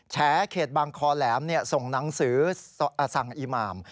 แฉเขตบางคอแหลมส่งหนังสือสั่งอีหมาม